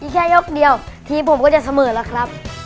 แค่ยกเดียวทีมผมก็จะเสมอแล้วครับ